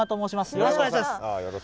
よろしくお願いします。